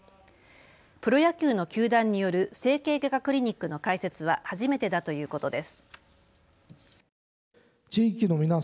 プロ野球の球団による整形外科クリニックの開設は初めてだということです。